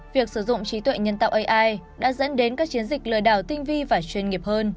việc sử dụng trí tuệ nhân tạo ai đã dẫn đến các chiến dịch lừa đảo tinh vi và chuyên nghiệp hơn